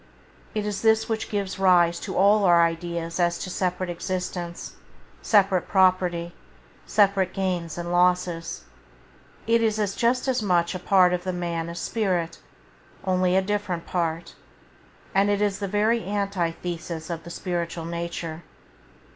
It is this which gives rise to all our ideas as to separate existence, separate property, separate gains and losses; it is just as much a part of the man as spirit, only a different part, and it is the very antithesis of the spiritual nature.